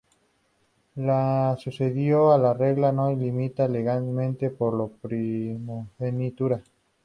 La sucesión a la regla no se limita legalmente por la primogenitura.